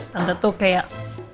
tante tuh kayak